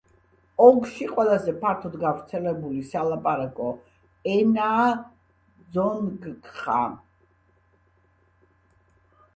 ოლქში ყველაზე ფართოდ გავრცელებული სალაპარაკო ენაა ძონგკხა.